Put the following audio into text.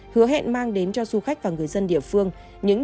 hứa hẹn mang đến cho du khách và người dân địa phương